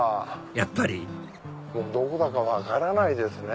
やっぱりもうどこだか分からないですね。